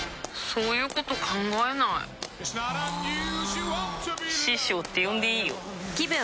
そういうこと考えないあ師匠って呼んでいいよぷ